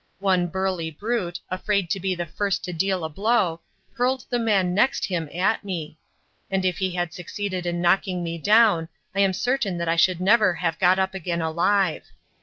One burly brute, afraid to be the first to deal a blow, hurled the man next him at me; and if he had succeeded in knocking me down, I am certain that I should never have got up again alive.